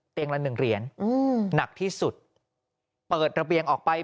เตียงละ๑เหรียญหนักที่สุดเปิดระเบียงออกไป